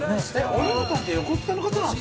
おりょうさんって横須賀の方なんすか？